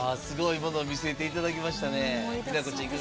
すごいものを見せていただきましたね。